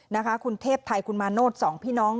นะคะคุณเทพไทยคุณมาโนธสองพี่น้อง